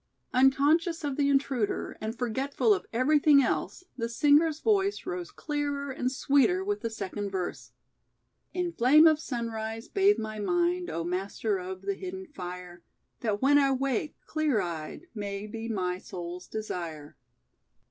Unconscious of the intruder and forgetful of everything else the singer's voice rose clearer and sweeter with the second verse. "In flame of sunrise bathe my mind, O Master of the Hidden Fire, That when I wake, clear eyed may be My soul's desire."